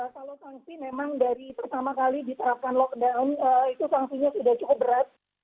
kalau sanksi memang dari pertama kali diterapkan lockdown itu sanksinya sudah cukup berat